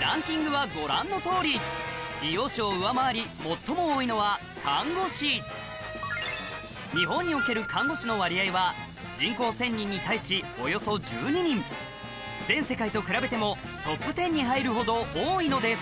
ランキングはご覧のとおり美容師を上回り最も多いのは看護師日本における看護師の割合は人口１０００人に対しおよそ１２人全世界と比べてもトップ１０に入るほど多いのです